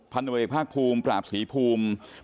พันวิภาคภูมิปราบศรีภูมิ